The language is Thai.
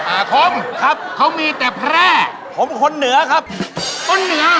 อาคมครับเขามีแต่แพร่ผมคนเหนือครับคนเหนือ